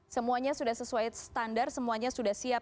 semuanya sudah sesuai standar semuanya sudah siap